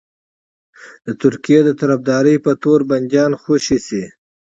د ترکیې د طرفدارۍ په تور بنديان خوشي شي.